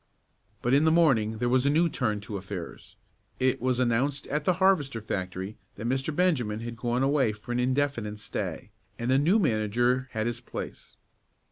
But in the morning there was a new turn to affairs. It was announced at the harvester factory that Mr. Benjamin had gone away for an indefinite stay, and a new manager had his place.